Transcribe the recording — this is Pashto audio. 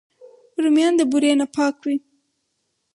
رومیان د بورې نه پاک وي